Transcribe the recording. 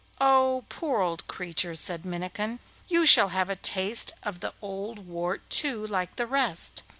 'Oh, poor old creature!' said Minnikin, 'you shall have a taste of the wort too like the rest.